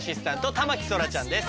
田牧そらちゃんです。